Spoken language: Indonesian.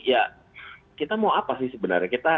ya kita mau apa sih sebenarnya